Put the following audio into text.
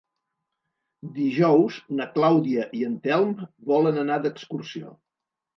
Dijous na Clàudia i en Telm volen anar d'excursió.